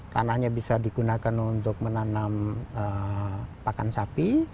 tanahnya bisa digunakan untuk menanam pakan sapi